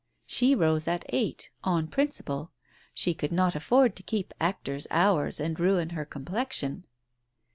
She rose at eight — on principle ; she could not afford to keep actors' hours and ruin her complexion.